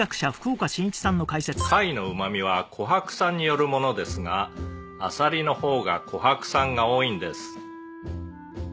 「貝のうまみはコハク酸によるものですがアサリの方がコハク酸が多いんです」